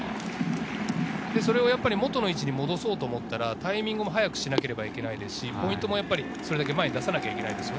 それをやっぱり元の位置に戻そうと思ったらタイミングも早くしなければいけないし、ポイントも前に出さなければいけない。